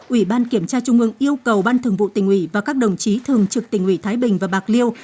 ủy ban kiểm tra trung ương yêu cầu ban thường vụ tỉnh ủy và các đồng chí thường trực tỉnh ủy thái bình và bạc liêu